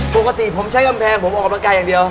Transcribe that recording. ปกติผมใช้กำแพงผมออกกำลังกายอย่างเดียว